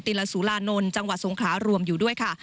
ลสุรานนท์จังหวัดสงขลารวมอยู่ด้วยค่ะ